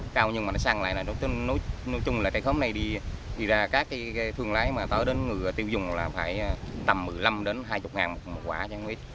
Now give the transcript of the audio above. cao nhưng mà nó sang lại là nói chung là cái khóm này đi ra các cái thuận lái mà tới đến người tiêu dùng là phải tầm một mươi năm đến hai mươi một quả chẳng biết